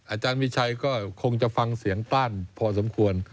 อาจารย์มีชัยก็คงจะฟังเสียงกล้านพอสมควร